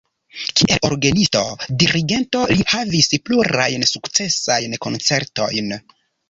Kiel orgenisto, dirigento li havis plurajn sukcesajn koncertojn.